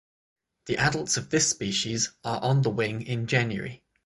The adults of this species are on the wing in January.